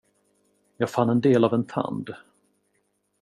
Jag fann en del av en tand.